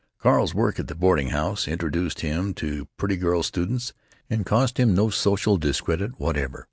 Carl's work at the boarding house introduced him to pretty girl students, and cost him no social discredit whatever.